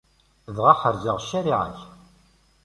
Dɣa ḥerzeɣ ccariɛa-k.